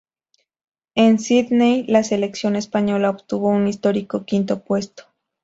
En Sydney la selección española obtuvo un histórico quinto puesto.